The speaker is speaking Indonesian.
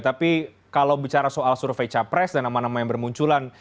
tapi kalau bicara soal survei capres dan nama nama yang bermunculan